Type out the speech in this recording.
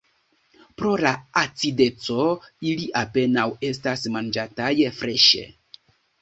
Pro la acideco ili apenaŭ estas manĝataj freŝe.